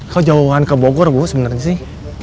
kalau jauhan ke bogor bu sebenarnya sih